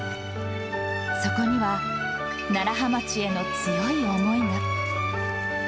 そこには楢葉町への強い思いが。